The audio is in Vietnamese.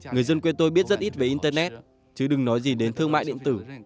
người dân quê tôi biết rất ít về internet chứ đừng nói gì đến thương mại điện tử